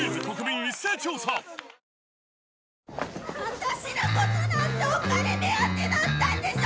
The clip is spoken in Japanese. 私のことなんてお金目当てだったんでしょ！